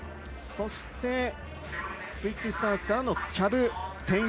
そしてスイッチスタンスからのキャブ１０８０。